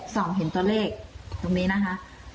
ส่องเห็นตัวเลขตรงนี้นะคะ